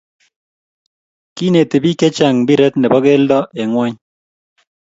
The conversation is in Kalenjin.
Kinetii biik che chang mpiret ne bo kelto eng ngony.